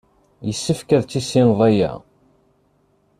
Yessefk ad tissineḍ aya.